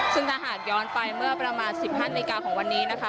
จนถ้าหากย้อนไปเมื่อประมาณสิบห้านนิกาของวันนี้นะคะ